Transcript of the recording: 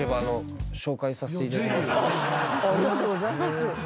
ぜひ！ありがとうございます。